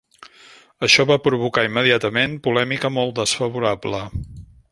Això va provocar immediatament polèmica, molt desfavorable.